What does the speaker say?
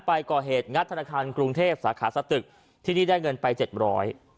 ก่อเหตุงัดธนาคารกรุงเทพสาขาสตึกที่นี่ได้เงินไปเจ็ดร้อย